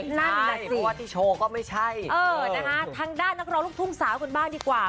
นั่นน่ะสิวาติโชว์ก็ไม่ใช่เออนะคะทางด้านนักร้องลูกทุ่งสาวกันบ้างดีกว่า